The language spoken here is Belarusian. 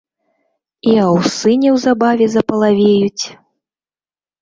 І аўсы неўзабаве запалавеюць!